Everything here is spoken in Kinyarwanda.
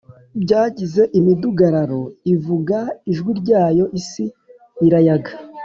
Byagize imidugararo ivuga ijwi ryayo isi irayaga